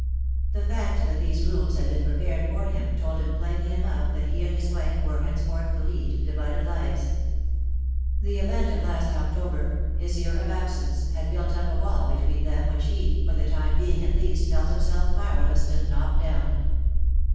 The fact that these rooms had been prepared for him told him plainly enough that he and his wife were henceforth to lead divided lives. The event of last October, his year of absence, had built up a wall between them which he, for the time being at least, felt himself powerless to knock down.